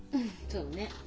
そうね。